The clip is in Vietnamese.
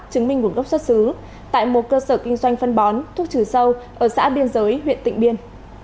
chứng minh nguồn gốc xuất xứ tại một cơ sở kinh doanh phân bón thuốc trừ sâu ở xã biên giới huyện tịnh biên